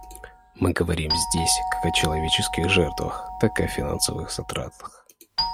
Мы говорим здесь как о человеческих жертвах, так и о финансовых затратах.